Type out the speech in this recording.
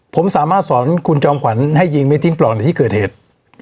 ผมสามารถสอนคุณจอมขวัญให้ยิงไม่ทิ้งปลอกในที่เกิดเหตุ